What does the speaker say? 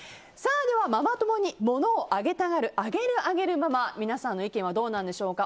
ではママ友に物をあげたがるあげるあげるママ皆さんの意見はどうでしょうか。